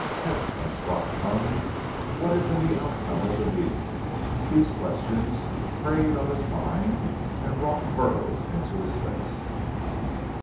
Had Ten Spot come? What had been the outcome of the meeting? These questions preyed on his mind and brought furrows into his face.